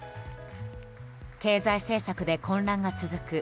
経済政策で混乱が続く